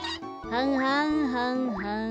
はんはんはんはん。